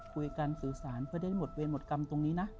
คุยกันสื่อสารเพื่อได้หมดเวรหมดกรรมตรงนี้นะ